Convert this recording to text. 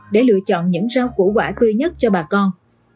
để lựa chọn những rau củ quả tươi nhất cho bà con